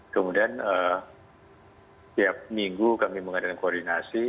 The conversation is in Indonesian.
kemudian setiap minggu kami mengadakan koordinasi